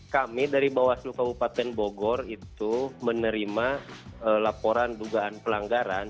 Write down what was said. kami dari bawaslu kabupaten bogor itu menerima laporan dugaan pelanggaran